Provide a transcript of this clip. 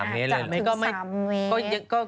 ๓เมตรเลยเหรออาจจะสูงถึง๓เมตร